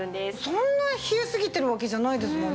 そんな冷えすぎてるわけじゃないですもんね。